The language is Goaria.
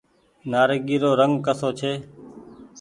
نآريگي رو رنگ ڪسو ڇي۔